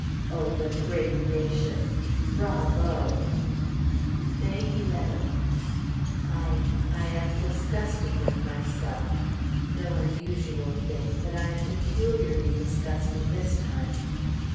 O the great nation! Bravo! May 11th. I I am disgusted with myself. No unusual thing, but I am peculiarly disgusted this time.